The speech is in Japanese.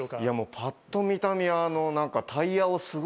パッと見た目は何か。